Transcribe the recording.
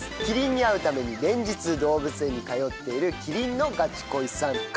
キリンに会うために連日動物園に通っているキリンのガチ恋さん。